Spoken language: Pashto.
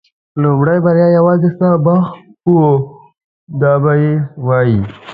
لومړۍ بریا یوازې ستا بخت و دا به یې وایي.